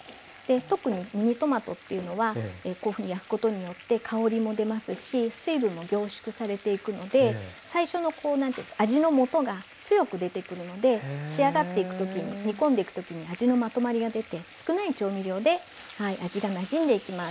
特にミニトマトっていうのはこういうふうに焼くことによって香りも出ますし水分も凝縮されていくので最初の味のもとが強く出てくるので仕上がっていく時に煮込んでいく時に味のまとまりが出て少ない調味料で味がなじんでいきます。